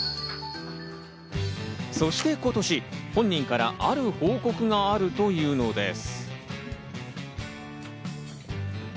そして今年、本人からある報告があるというのです。